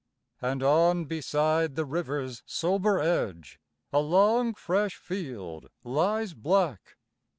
And on beside the river's sober edge A long fresh field lies black.